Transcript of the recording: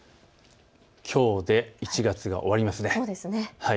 きょうで１月が終わりますね。